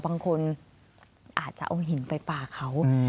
บางคนอาจจะเอาหินไปป่าเขา